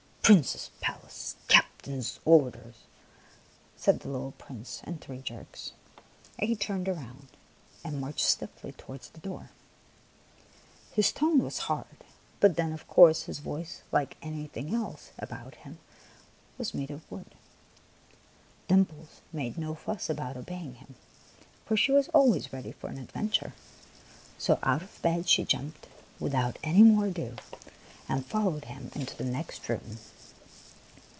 Prince's palace. Captain's orders," said the little soldier, in three jerks ; and he turned round and marched stiffly towards the door. His tone was hard; but then, of course, his voice, like everything else about him, was made of wood. Dimples made no fuss about obeying him, for she was always ready for an adventure; so out of bed she jumped without any more ado, and followed him into the next room.